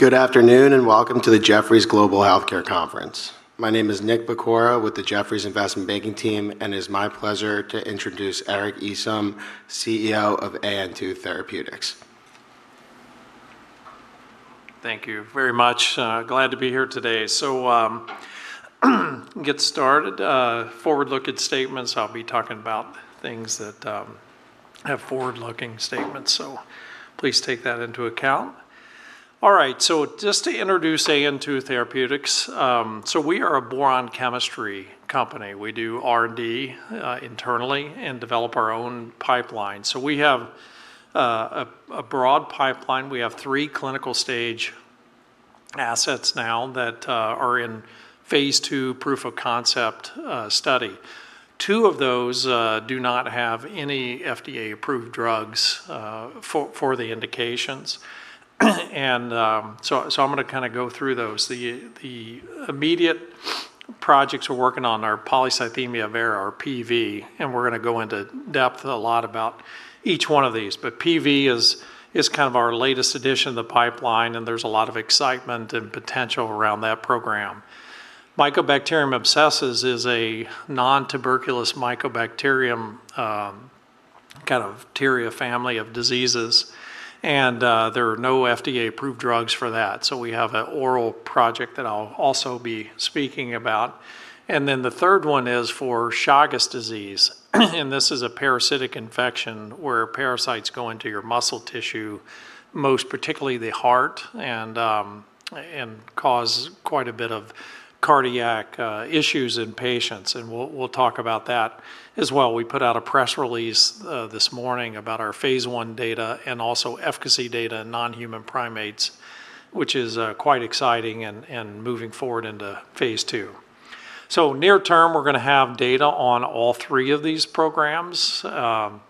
Good afternoon, welcome to the Jefferies Global Healthcare Conference. My name is Nick Pecora with the Jefferies Investment Banking team, and it's my pleasure to introduce Eric Easom, CEO of AN2 Therapeutics. Thank you very much. Glad to be here today. Get started. Forward-looking statements, I'll be talking about things that have forward-looking statements, please take that into account. All right. Just to introduce AN2 Therapeutics, we are a boron chemistry company. We do R&D internally and develop our own pipeline. We have a broad pipeline. We have three clinical stage assets now that are in phase II proof of concept study. Two of those do not have any FDA-approved drugs for the indications. I'm going to go through those. The immediate projects we're working on are polycythemia vera or PV, we're going to go into depth a lot about each one of these. PV is our latest addition to the pipeline, there's a lot of excitement and potential around that program. Mycobacterium abscessus is a nontuberculous mycobacterium, kind of [teria] family of diseases. There are no FDA-approved drugs for that. We have an oral project that I'll also be speaking about. Then the third one is for Chagas disease. This is a parasitic infection where parasites go into your muscle tissue, most particularly the heart, and cause quite a bit of cardiac issues in patients. We'll talk about that as well. We put out a press release this morning about our phase I data and also efficacy data in non-human primates, which is quite exciting and moving forward into phase II. Near term, we're going to have data on all three of these programs, and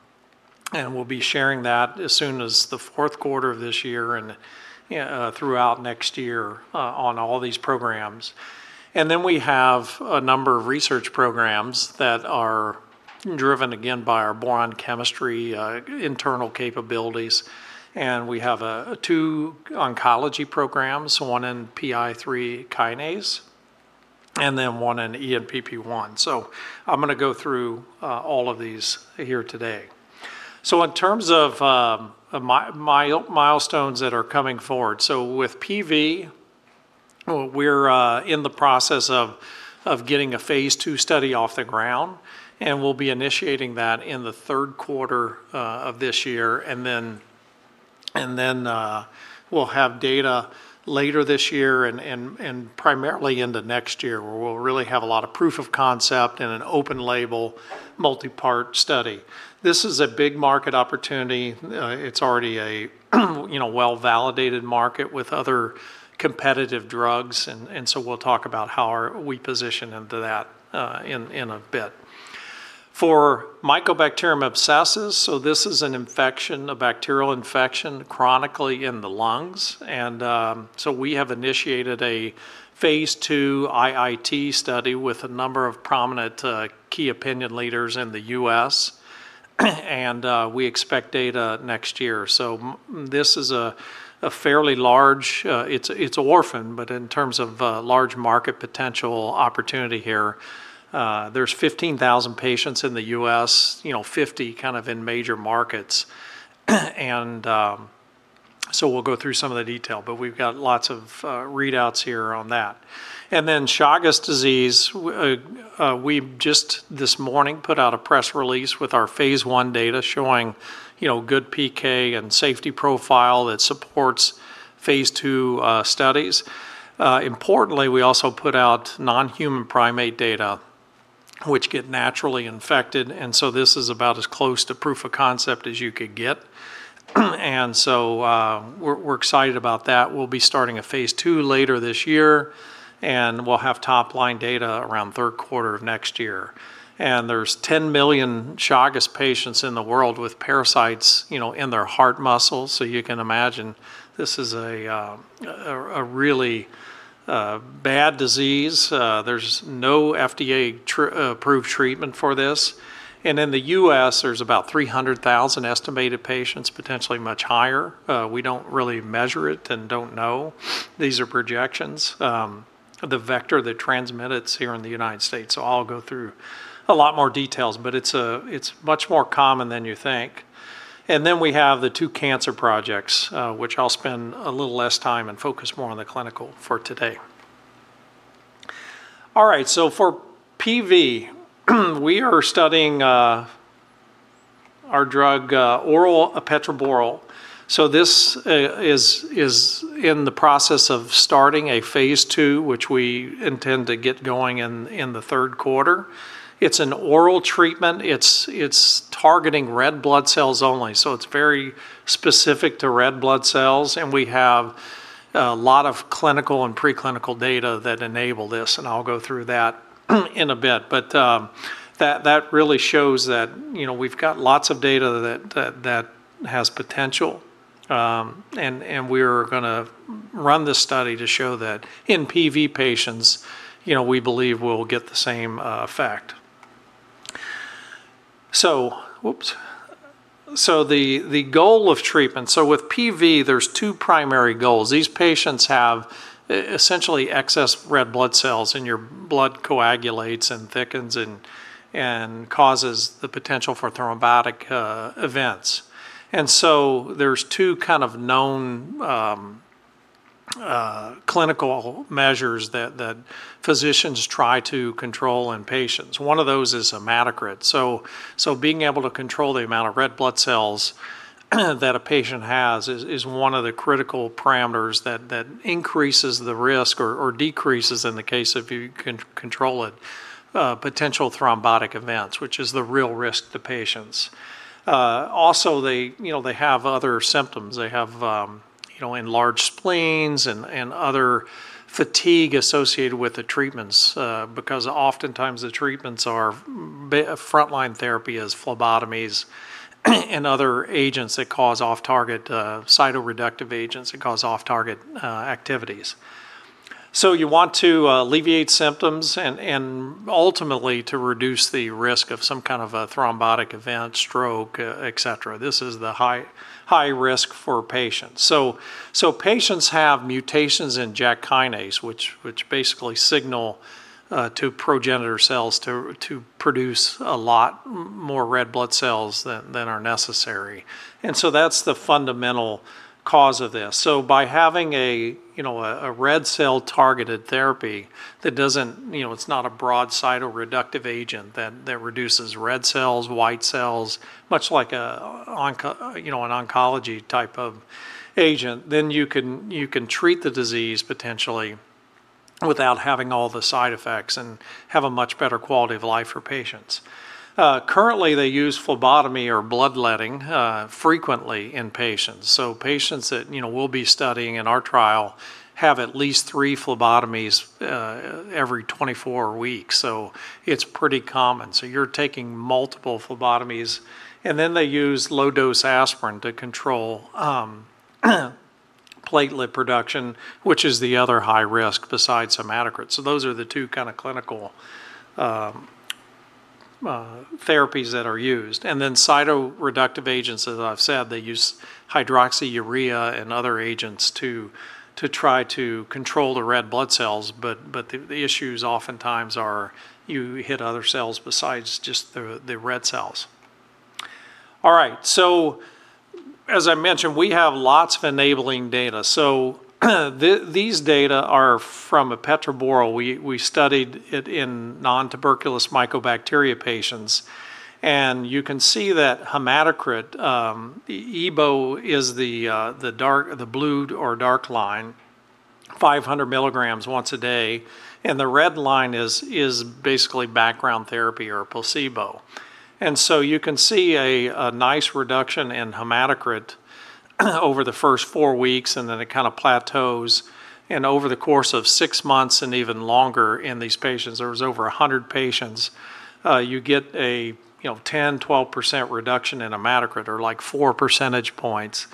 we'll be sharing that as soon as the fourth quarter of this year and throughout next year on all these programs. We have a number of research programs that are driven, again, by our boron chemistry internal capabilities, and we have two oncology programs, one in PI3 kinase, and then one in ENPP1. I'm going to go through all of these here today. In terms of milestones that are coming forward, so with PV, we're in the process of getting a phase II study off the ground, and we'll be initiating that in the third quarter of this year. We'll have data later this year and primarily into next year, where we'll really have a lot of proof of concept in an open-label, multi-part study. This is a big market opportunity. It's already a well-validated market with other competitive drugs, and so we'll talk about how we position into that in a bit. For Mycobacterium abscessus, this is an infection, a bacterial infection, chronically in the lungs. We have initiated a phase II IIT study with a number of prominent key opinion leaders in the U.S. We expect data next year. This is fairly large. It's orphan, but in terms of large market potential opportunity here, there's 15,000 patients in the U.S., 50 kind of in major markets. We'll go through some of the detail, but we've got lots of readouts here on that. Chagas disease, we just this morning put out a press release with our phase I data showing good PK and safety profile that supports phase II studies. Importantly, we also put out non-human primate data, which get naturally infected. This is about as close to proof of concept as you could get. We're excited about that. We'll be starting a phase II later this year. We'll have top-line data around third quarter of next year. There's 10 million Chagas patients in the world with parasites in their heart muscles. You can imagine this is a really bad disease. There's no FDA-approved treatment for this. In the U.S., there's about 300,000 estimated patients, potentially much higher. We don't really measure it and don't know. These are projections of the vector that transmits here in the United States. I'll go through a lot more details, but it's much more common than you think. We have the two cancer projects, which I'll spend a little less time and focus more on the clinical for today. All right. For PV, we are studying our drug oral epetraborole. This is in the process of starting a phase II, which we intend to get going in the third quarter. It's an oral treatment. It's targeting red blood cells only, so it's very specific to red blood cells, and we have a lot of clinical and pre-clinical data that enable this, and I'll go through that in a bit. That really shows that we've got lots of data that has potential. We're going to run this study to show that in PV patients, we believe we'll get the same effect. The goal of treatment. With PV, there's two primary goals. These patients have essentially excess red blood cells, and your blood coagulates and thickens and causes the potential for thrombotic events. There's two kind of known clinical measures that physicians try to control in patients. One of those is hematocrit. Being able to control the amount of red blood cells that a patient has is one of the critical parameters that increases the risk, or decreases in the case if you control it, potential thrombotic events, which is the real risk to patients. They have other symptoms. They have enlarged spleens and other fatigue associated with the treatments, because oftentimes the treatments are frontline therapy as phlebotomies and other agents that cause off-target cytoreductive agents, that cause off-target activities. You want to alleviate symptoms and ultimately to reduce the risk of some kind of a thrombotic event, stroke, et cetera. This is the high risk for patients. Patients have mutations in JAK kinase, which basically signal to progenitor cells to produce a lot more red blood cells than are necessary. That's the fundamental cause of this. By having a red cell-targeted therapy, it's not a broad cytoreductive agent that reduces red cells, white cells, much like an oncology-type of agent. You can treat the disease potentially without having all the side effects and have a much better quality of life for patients. Currently, they use phlebotomy or bloodletting frequently in patients. Patients that we'll be studying in our trial have at least three phlebotomies every 24 weeks. It's pretty common. You're taking multiple phlebotomies, and then they use low-dose aspirin to control platelet production, which is the other high risk besides hematocrit. Those are the two clinical therapies that are used. Then cytoreductive agents, as I've said, they use hydroxyurea and other agents to try to control the red blood cells. The issues oftentimes are you hit other cells besides just the red cells. All right. As I mentioned, we have lots of enabling data. These data are from epetraborole. We studied it in nontuberculous mycobacteria patients. You can see that hematocrit, the EBO is the blue or dark line, 500 mg once a day. The red line is basically background therapy or placebo. You can see a nice reduction in hematocrit over the first four weeks. Then it kind of plateaus. Over the course of six months and even longer in these patients, there was over 100 patients, you get a 10%-12% reduction in hematocrit or 4 percentage points.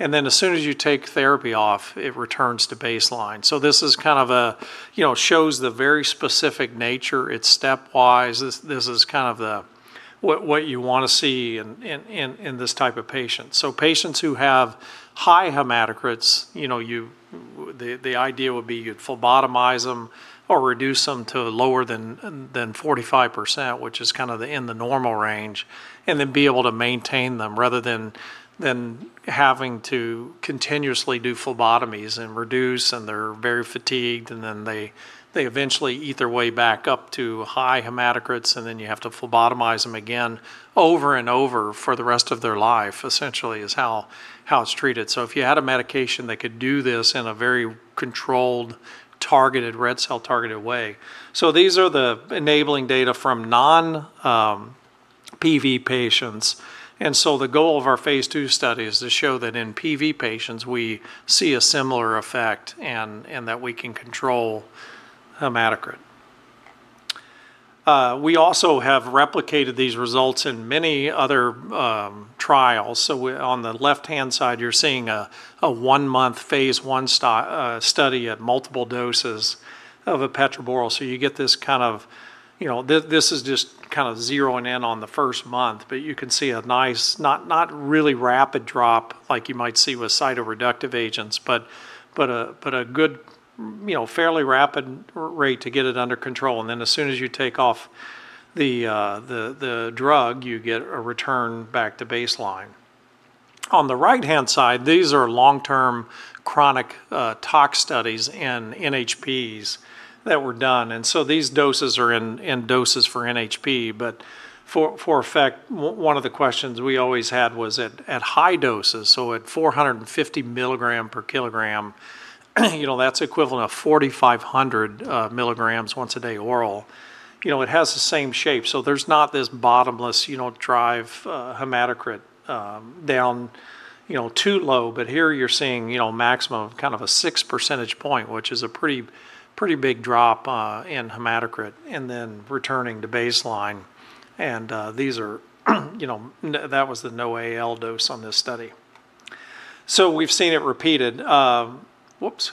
As soon as you take therapy off, it returns to baseline. This shows the very specific nature. It's stepwise. This is what you want to see in this type of patient. Patients who have high hematocrits, the idea would be you'd phlebotomize them or reduce them to lower than 45%, which is in the normal range, and then be able to maintain them rather than having to continuously do phlebotomies and reduce, and they're very fatigued. Then they eventually eat their way back up to high hematocrits, and then you have to phlebotomize them again over and over for the rest of their life, essentially, is how it's treated. If you had a medication that could do this in a very controlled, red cell-targeted way. These are the enabling data from non-PV patients. The goal of our phase II study is to show that in PV patients, we see a similar effect and that we can control hematocrit. We also have replicated these results in many other trials. On the left-hand side, you're seeing a one-month phase I study at multiple doses of epetraborole. You get this is just kind of zeroing in on the first month, but you can see a nice, not really rapid drop like you might see with cytoreductive agents, but a good, fairly rapid rate to get it under control. Then as soon as you take off the drug, you get a return back to baseline. On the right-hand side, these are long-term chronic tox studies in NHPs that were done. These doses are in doses for NHP. For effect, one of the questions we always had was at high doses, so at 450 mg per kilogram, that's equivalent of 4,500 mg once a day oral. It has the same shape. There's not this bottomless drive hematocrit down too low. Here you're seeing maximum of a 6 percentage point, which is a pretty big drop in hematocrit, and then returning to baseline. That was the NOAEL dose on this study. We've seen it repeated. Whoops.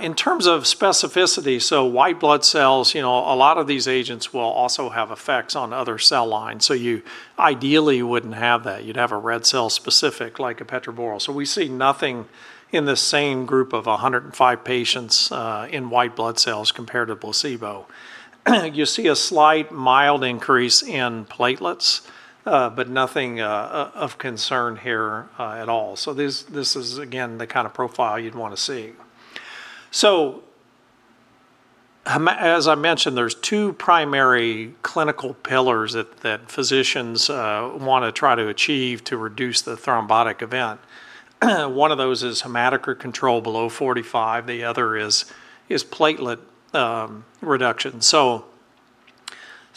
In terms of specificity, white blood cells, a lot of these agents will also have effects on other cell lines. You ideally wouldn't have that. You'd have a red cell-specific, like epetraborole. We see nothing in this same group of 105 patients in white blood cells compared to placebo. You see a slight mild increase in platelets, nothing of concern here at all. This is again, the kind of profile you'd want to see. As I mentioned, there's two primary clinical pillars that physicians want to try to achieve to reduce the thrombotic event. One of those is hematocrit control below 45%, the other is platelet reduction.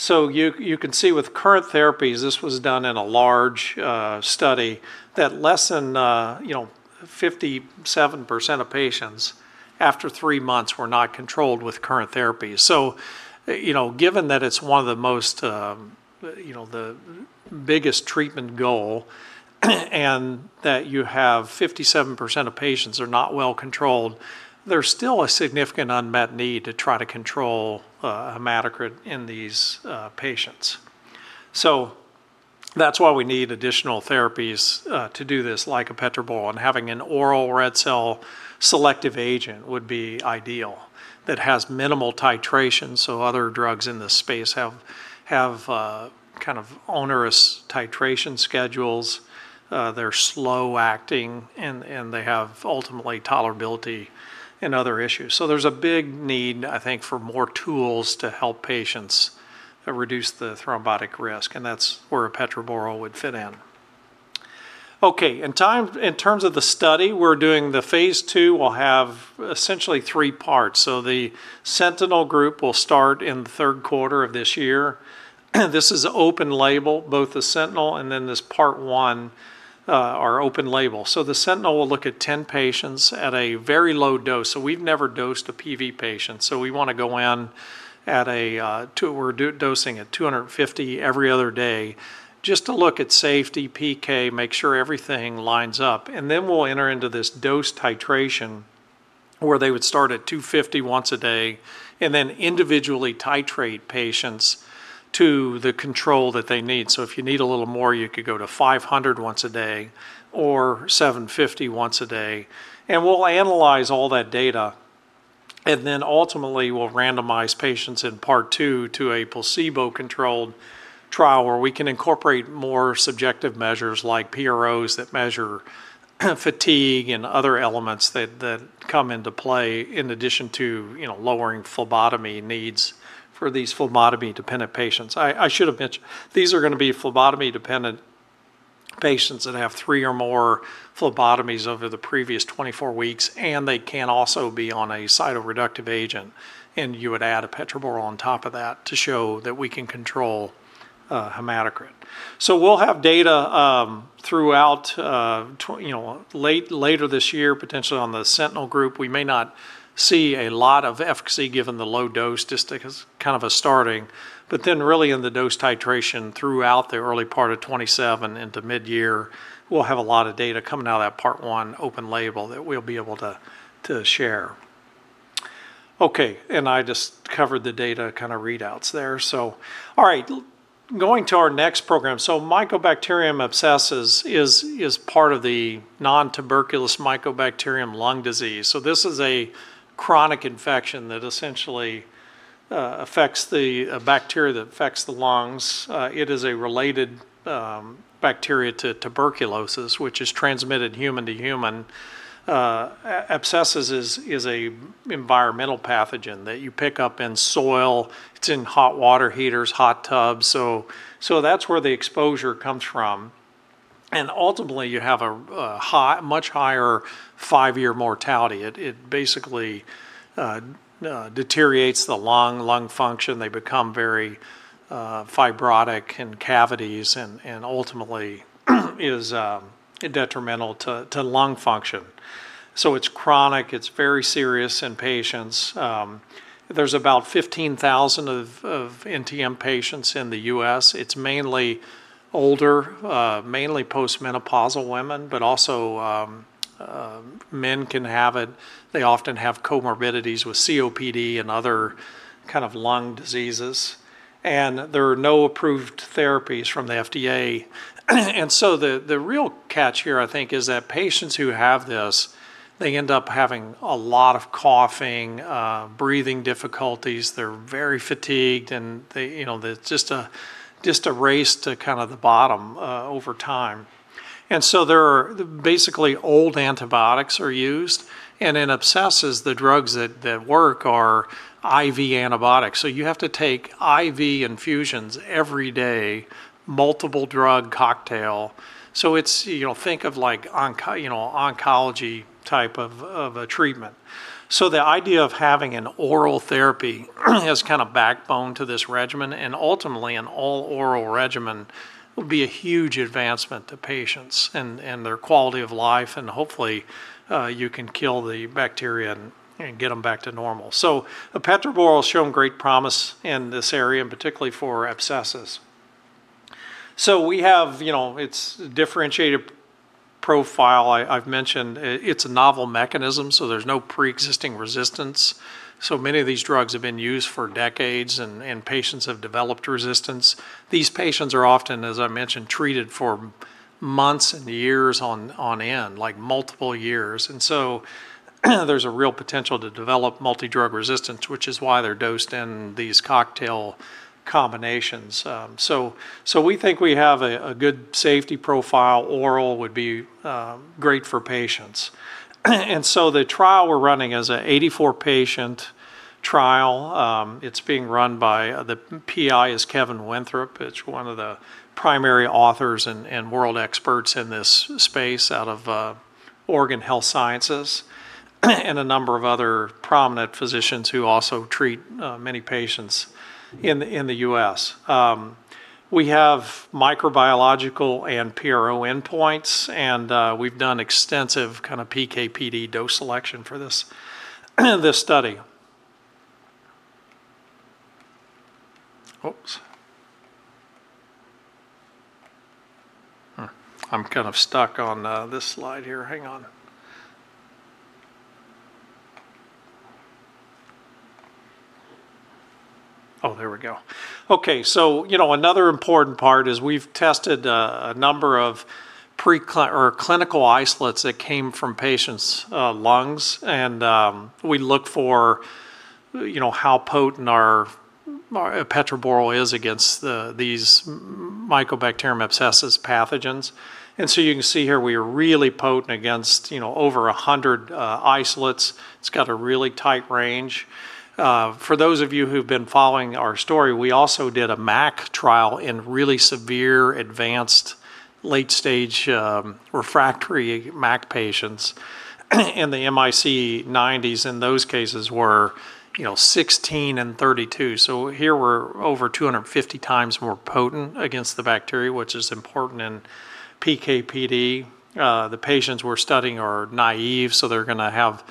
You can see with current therapies, this was done in a large study that less than 57% of patients after three months were not controlled with current therapies. Given that it's the biggest treatment goal and that you have 57% of patients are not well-controlled, there's still a significant unmet need to try to control hematocrit in these patients. That's why we need additional therapies to do this, like epetraborole, and having an oral red cell-selective agent would be ideal that has minimal titration. Other drugs in this space have kind of onerous titration schedules, they're slow acting, and they have ultimately tolerability and other issues. There's a big need, I think, for more tools to help patients reduce the thrombotic risk, and that's where epetraborole would fit in. Okay. In terms of the study, we're doing the phase II. We'll have essentially three parts. The sentinel group will start in the third quarter of this year. This is open label, both the sentinel and then this part one are open label. The sentinel will look at 10 patients at a very low dose. We've never dosed a PV patient, so we want to go in, we're dosing at 250 mg every other day just to look at safety, PK, make sure everything lines up. Then we'll enter into this dose titration where they would start at 250 mg once a day and then individually titrate patients to the control that they need. If you need a little more, you could go to 500 mg once a day or 750 mg once a day, and we'll analyze all that data. Ultimately, we'll randomize patients in part two to a placebo-controlled trial where we can incorporate more subjective measures like PROs that measure fatigue and other elements that come into play in addition to lowering phlebotomy needs for these phlebotomy-dependent patients. I should have mentioned, these are going to be phlebotomy-dependent patients that have three or more phlebotomies over the previous 24 weeks, and they can also be on a cytoreductive agent, and you would add epetraborole on top of that to show that we can control hematocrit. We'll have data throughout later this year, potentially on the sentinel group. We may not see a lot of efficacy given the low dose, just as kind of a starting. Really in the dose titration throughout the early part of 2027 into mid-year, we'll have a lot of data coming out of that part one open label that we'll be able to share. Okay. I just covered the data readouts there. All right. Going to our next program. Mycobacterium abscessus is part of the nontuberculous mycobacterium lung disease. This is a chronic infection that essentially affects the bacteria that affects the lungs. It is a related bacteria to tuberculosis, which is transmitted human to human. Abscessus is a environmental pathogen that you pick up in soil. It's in hot water heaters, hot tubs. That's where the exposure comes from, and ultimately, you have a much higher five-year mortality. It basically deteriorates the lung function. They become very fibrotic in cavities and ultimately is detrimental to lung function. It's chronic. It's very serious in patients. There's about 15,000 of NTM patients in the U.S. It's mainly older, mainly post-menopausal women, but also men can have it. They often have comorbidities with COPD and other lung diseases, and there are no approved therapies from the FDA. The real catch here, I think, is that patients who have this, they end up having a lot of coughing, breathing difficulties. They're very fatigued, and it's just a race to the bottom over time. Basically, old antibiotics are used, and in abscesses, the drugs that work are IV antibiotics. You have to take IV infusions every day, multiple-drug cocktail. Think of oncology type of a treatment. The idea of having an oral therapy as kind of backbone to this regimen, and ultimately an all-oral regimen, would be a huge advancement to patients and their quality of life, and hopefully you can kill the bacteria and get them back to normal. epetraborole has shown great promise in this area, and particularly for Abscessus. We have its differentiated profile I've mentioned. It's a novel mechanism, so there's no pre-existing resistance. Many of these drugs have been used for decades, and patients have developed resistance. These patients are often, as I mentioned, treated for months and years on end, like multiple years. There's a real potential to develop multi-drug resistance, which is why they're dosed in these cocktail combinations. We think we have a good safety profile. Oral would be great for patients. The trial we're running is a 84-patient trial. It's being run by, the PI is Kevin Winthrop, one of the primary authors and world experts in this space out of Oregon Health Sciences, and a number of other prominent physicians who also treat many patients in the U.S. We have microbiological and PRO endpoints, We've done extensive PK/PD dose selection for this study. Oops. I'm stuck on this slide here. Hang on. There we go. Okay. Another important part is we've tested a number of clinical isolates that came from patients' lungs, We look for how potent our epetraborole is against these Mycobacterium abscessus pathogens. You can see here we are really potent against over 100 isolates. It's got a really tight range. For those of you who've been following our story, we also did a MAC trial in really severe, advanced, late stage refractory MAC patients. The MIC90s in those cases were 16 μg/ml and 32 μg/ml. Here we're over 250 times more potent against the bacteria, which is important in PK/PD. The patients we're studying are naive, so they're going to have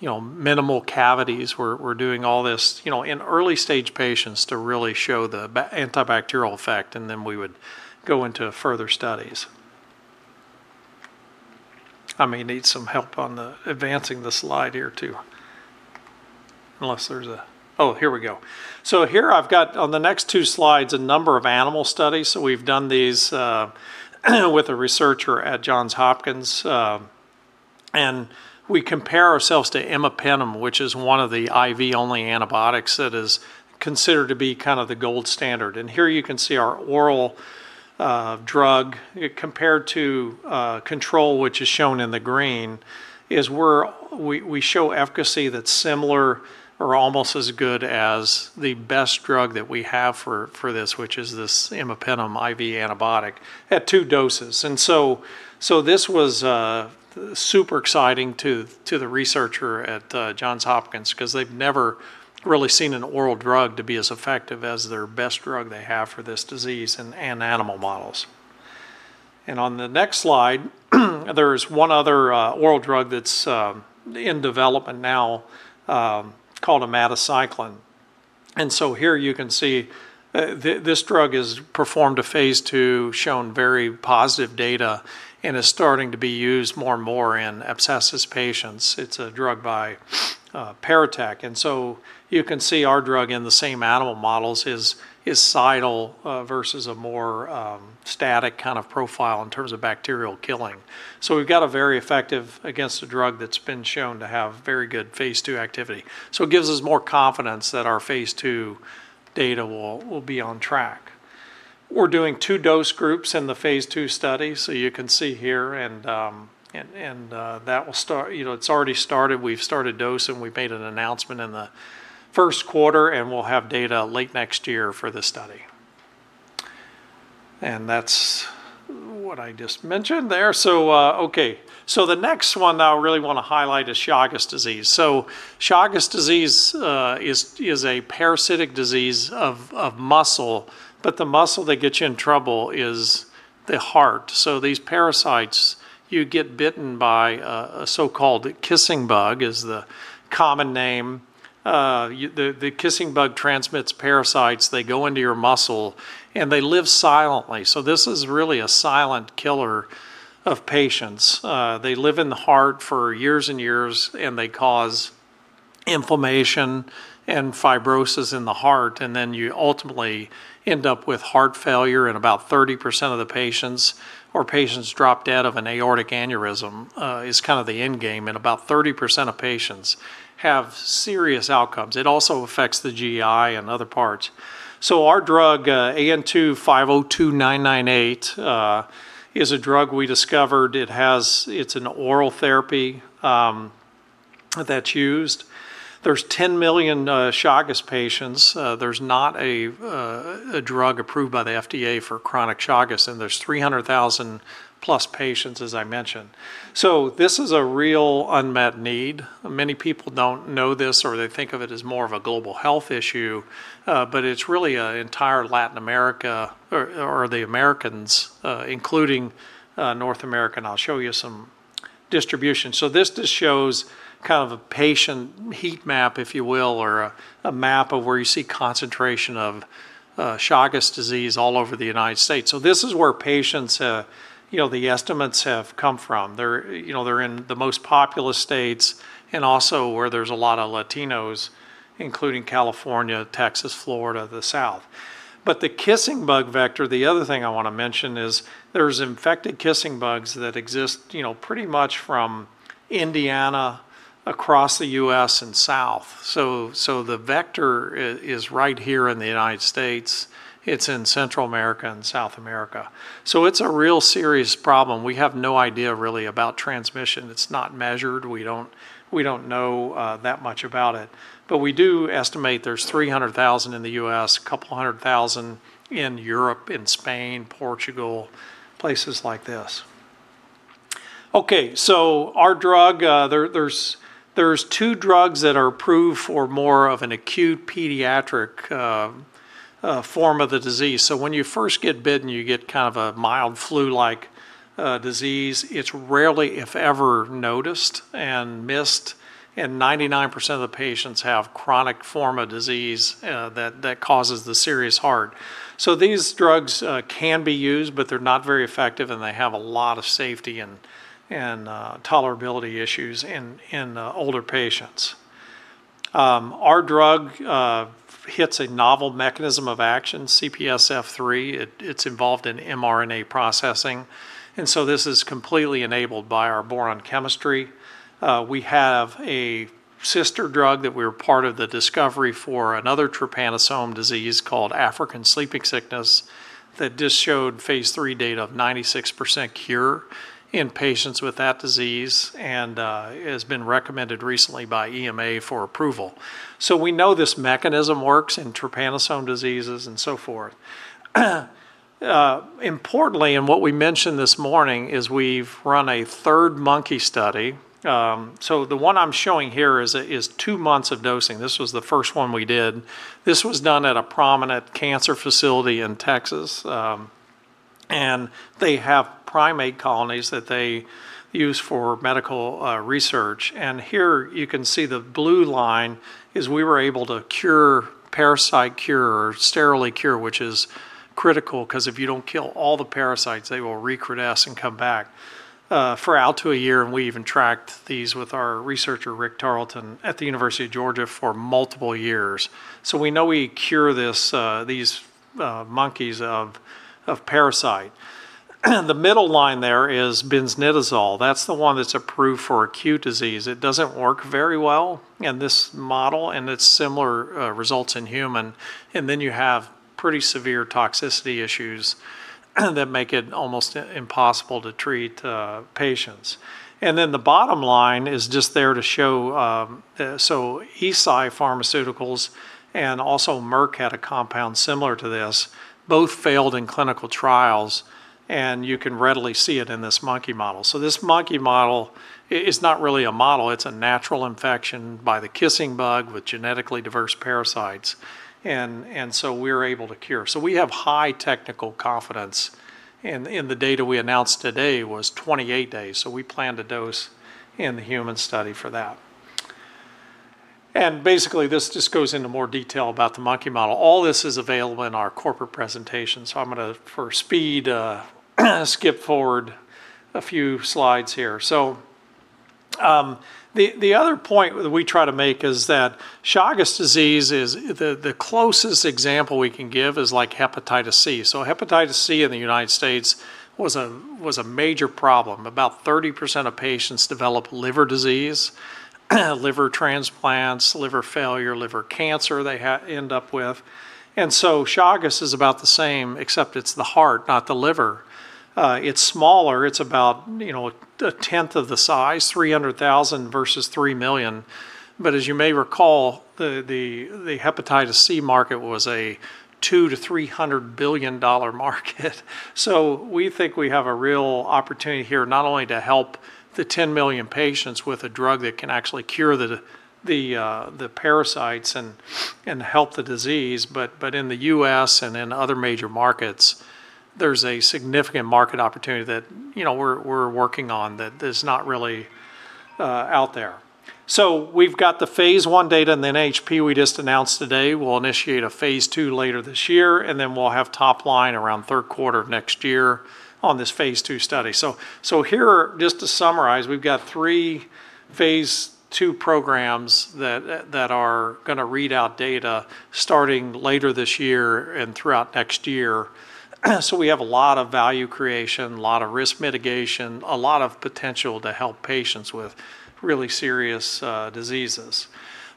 minimal cavities. We're doing all this in early-stage patients to really show the antibacterial effect, and then we would go into further studies. I may need some help on advancing the slide here too. Oh, here we go. Here I've got on the next two slides, a number of animal studies. We've done these with a researcher at Johns Hopkins. We compare ourselves to imipenem, which is one of the IV-only antibiotics that is considered to be the gold standard. Here you can see our oral drug compared to a control, which is shown in the green, is we show efficacy that's similar or almost as good as the best drug that we have for this, which is this imipenem IV antibiotic at two doses. This was super exciting to the researcher at Johns Hopkins because they've never really seen an oral drug to be as effective as their best drug they have for this disease in animal models. On the next slide, there's one other oral drug that's in development now, called omadacycline. Here you can see this drug has performed a phase II, shown very positive data, and is starting to be used more and more in abscesses patients. It's a drug by Paratek. You can see our drug in the same animal models is cidal versus a more static profile in terms of bacterial killing. We've got a very effective against a drug that's been shown to have very good phase II activity. It gives us more confidence that our phase II data will be on track. We're doing two dose groups in the phase II study, so you can see here, and it's already started. We've started dosing. We made an announcement in the first quarter, and we'll have data late next year for this study. That's what I just mentioned there. Okay. The next one that I really want to highlight is Chagas disease. Chagas disease is a parasitic disease of muscle, but the muscle that gets you in trouble is the heart. These parasites, you get bitten by a so-called kissing bug, is the common name. The kissing bug transmits parasites. They go into your muscle, and they live silently. This is really a silent killer of patients. They live in the heart for years and years, and they cause inflammation and fibrosis in the heart, and then you ultimately end up with heart failure in about 30% of the patients, or patients dropped out of an aortic aneurysm, is the endgame, and about 30% of patients have serious outcomes. It also affects the GI and other parts. Our drug, AN2-502998, is a drug we discovered. It's an oral therapy that's used. There's 10 million Chagas patients. There's not a drug approved by the FDA for chronic Chagas, and there's 300,000+ patients, as I mentioned. This is a real unmet need. Many people don't know this, or they think of it as more of a global health issue, it's really an entire Latin America, or the Americas, including North America, and I'll show you some distribution. This just shows a patient heat map, if you will, or a map of where you see concentration of Chagas disease all over the United States. This is where patients, the estimates have come from. They're in the most populous states and also where there's a lot of Latinos, including California, Texas, Florida, the South. The kissing bug vector, the other thing I want to mention is there's infected kissing bugs that exist pretty much from Indiana across the U.S. and South. The vector is right here in the United States. It's in Central America and South America. It's a real serious problem. We have no idea really about transmission. It's not measured. We don't know that much about it, but we do estimate there's 300,000 in the U.S., a couple hundred thousand in Europe, in Spain, Portugal, places like this. Our drug, there's two drugs that are approved for more of an acute pediatric form of the disease. When you first get bitten, you get a mild flu-like disease. It's rarely, if ever, noticed and missed, and 99% of the patients have chronic form of disease that causes the serious heart. These drugs can be used, but they're not very effective, and they have a lot of safety and tolerability issues in older patients. Our drug hits a novel mechanism of action, CPSF3. It's involved in mRNA processing, and so this is completely enabled by our boron chemistry. We have a sister drug that we're part of the discovery for another trypanosome disease called African sleeping sickness that just showed phase III data of 96% cure in patients with that disease and has been recommended recently by EMA for approval. We know this mechanism works in trypanosome diseases and so forth. Importantly, and what we mentioned this morning is we've run a third monkey study. The one I'm showing here is two months of dosing. This was the first one we did. This was done at a prominent cancer facility in Texas. They have primate colonies that they use for medical research. Here you can see the blue line is we were able to cure parasite cure or sterile cure, which is critical because if you don't kill all the parasites, they will recrudesce and come back for out to a year, and we even tracked these with our researcher, Rick Tarleton, at the University of Georgia for multiple years. We know we cure these monkeys of parasite. The middle line there is benznidazole. That's the one that's approved for acute disease. It doesn't work very well in this model, and it's similar results in human. Then you have pretty severe toxicity issues that make it almost impossible to treat patients. Then the bottom line is just there to show, Eisai Pharmaceuticals and also Merck had a compound similar to this, both failed in clinical trials, and you can readily see it in this monkey model. This monkey model is not really a model. It's a natural infection by the kissing bug with genetically diverse parasites, and so we're able to cure. We have high technical confidence, and the data we announced today was 28 days, so we plan to dose in the human study for that. Basically, this just goes into more detail about the monkey model. All this is available in our corporate presentation, so I'm going to, for speed, skip forward a few slides here. The other point that we try to make is that Chagas disease is the closest example we can give is like hepatitis C. Hepatitis C in the United States was a major problem. About 30% of patients develop liver disease, liver transplants, liver failure, liver cancer they end up with. Chagas is about the same, except it's the heart, not the liver. It's smaller. It's about 1/10 of the size, 300,000 versus 3 million. As you may recall, the hepatitis C market was a $200 billion-$300 billion market. We think we have a real opportunity here not only to help the 10 million patients with a drug that can actually cure the parasites and help the disease, but in the U.S. and in other major markets, there's a significant market opportunity that we're working on that is not really out there. We've got the phase I data in NHP we just announced today. We'll initiate a phase II later this year, and then we'll have top line around third quarter of next year on this phase II study. Here, just to summarize, we've got three phase II programs that are going to read out data starting later this year and throughout next year. We have a lot of value creation, a lot of risk mitigation, a lot of potential to help patients with really serious diseases.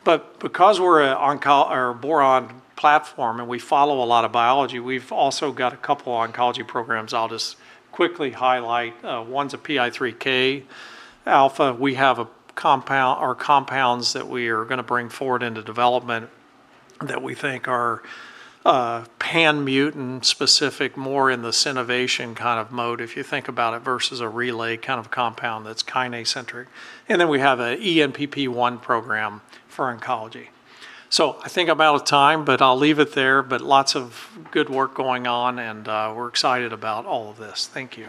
Because we're a boron platform and we follow a lot of biology, we've also got a couple oncology programs I'll just quickly highlight. One's a PI3K. We have our compounds that we are going to bring forward into development that we think are pan mutant specific, more in the [cinovation] mode, if you think about it, versus a Relay compound that's kinase-centric. Then we have an ENPP1 program for oncology. I think I'm out of time, but I'll leave it there, but lots of good work going on, and we're excited about all of this. Thank you.